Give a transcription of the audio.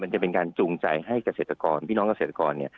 มันจะเป็นการจูงใจให้เกษตรกร